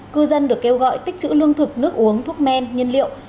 cư dân được kêu gọi tích chữ lương thực nước uống thuốc men nhiên liệu